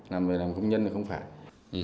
làm công nhân thì không phải